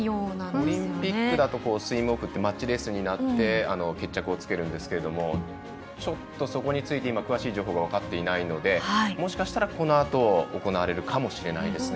オリンピックだとスイムオフマッチレースになって決着をつけるんですがちょっとそこについては今、詳しい情報が分かっていないのでもしかしたらこのあと行われるかもしれないですね。